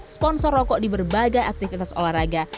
sponsor rokok di berbagai aktivitas olahraga